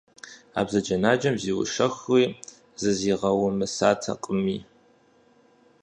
А бзаджэнаджэм зиущэхури зызигъэумысатэкъыми.